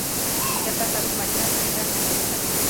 Ciertas aves marinas anidan en la isla.